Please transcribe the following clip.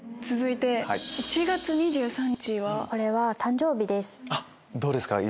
続いて「１月２３日」は？これは誕生日です。